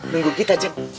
nunggu kita jeng